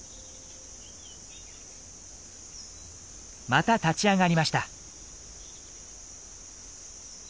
また立ち上がりました。